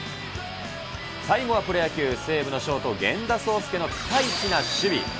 最後はプロ野球・西武のショート、源田壮亮のピカイチな守備。